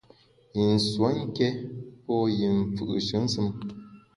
I nsuo nké pô yi mfù’she nsùm.